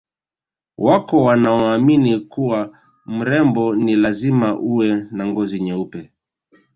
Wako wanaoamini kuwa mrembo ni lazima uwe na ngozi nyeupe